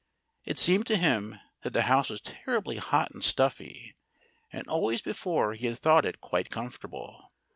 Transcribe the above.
It seemed to him that the house was terribly hot and stuffy; and always before he had thought it quite comfortable.